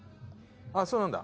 あっそうなんだ。